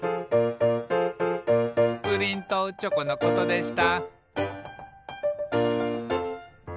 「プリンとチョコのことでした」